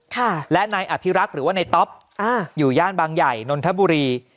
ค่ะและนายอภิรักษ์หรือว่าในต๊อปอ่าอยู่ย่านบางใหญ่นนทบุรี